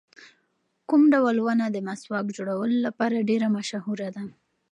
کوم ډول ونه د مسواک جوړولو لپاره ډېره مشهوره ده؟